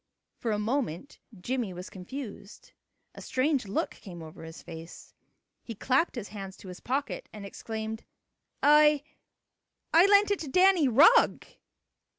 For a moment Jimmie was confused. A strange look came over his face. He clapped his hand to his pocket and exclaimed: "I I lent it to Danny Rugg."